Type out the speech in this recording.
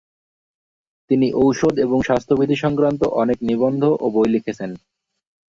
তিনি ওষুধ এবং স্বাস্থ্যবিধি সংক্রান্ত অনেক নিবন্ধ এবং বই লিখেছেন।